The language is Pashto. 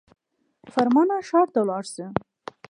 فرمانه ښار ته ولاړ سه.